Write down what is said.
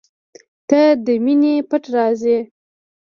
• ته د مینې پټ راز یې.